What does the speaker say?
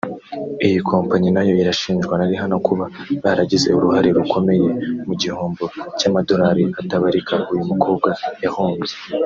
Iyi kompanyi nayo irashinjwa na Rihanna kuba baragize uruhare rukomeye mu gihombo cy’amadorali atabarika uyu mukobwa yahombye